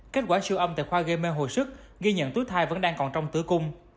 kết quả siêu âm tại khoa gây mê hồi sức ghi nhận túi thai vẫn đang còn trong tử cung